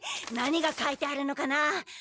何が書いてあるのかな？